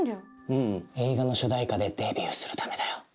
うん映画の主題歌でデビューするためだよ